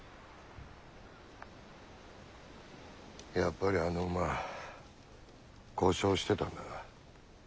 やっぱりあの馬故障してたのか。